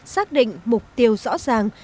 xác định mục tiêu rõ ràng